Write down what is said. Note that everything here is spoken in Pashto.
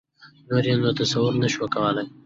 نور یې نو تصور نه شو کولای.